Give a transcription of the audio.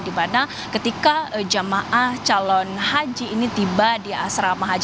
dimana ketika jamaah calon haji ini tiba di asrama haji